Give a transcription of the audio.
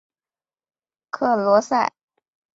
克罗塞。